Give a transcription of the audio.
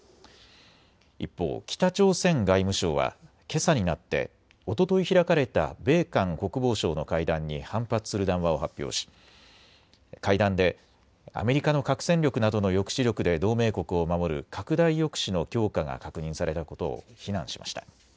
一方、北朝鮮外務省はけさになっておととい開かれた米韓国防相の会談に反発する談話を発表し会談でアメリカの核戦力などの抑止力で同盟国を守る拡大抑止の強化が確認されたことを非難しました。